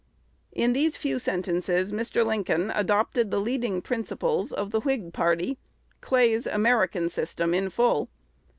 In these few sentences Mr. Lincoln adopted the leading principles of the Whig party, Clay's "American System" in full.